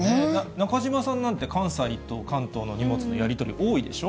中島さんなんて、関西と関東の荷物のやり取り多いでしょ。